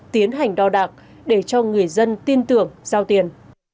tiến hành đo đạc để cho người dân tin tưởng giao tiền